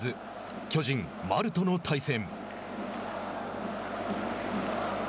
巨人、丸との対戦。